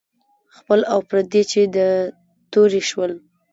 خپل او پردي چې د تورې شول.